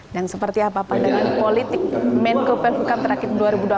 dan seperti apa pandangan politik menko polhukam terakhir dua ribu dua puluh empat